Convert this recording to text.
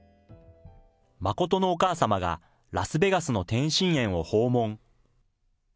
真のお母様がラスベガスの天心苑を訪問。